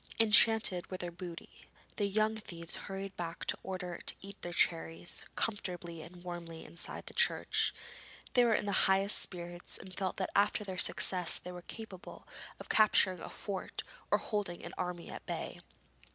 Enchanted with their booty, the young thieves hurried back in order to eat the cherries comfortably and warmly inside the church. They were in the highest spirits and felt that after their success they were capable of capturing a fort or holding an army at bay.